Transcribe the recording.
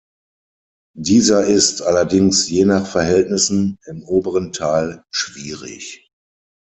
Dieser ist allerdings je nach Verhältnissen im oberen Teil schwierig.